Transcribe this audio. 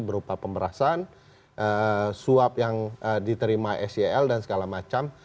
berupa pemberasan suap yang diterima sel dan segala macam